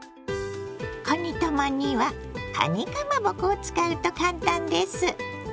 かにたまにはかにかまぼこを使うと簡単です。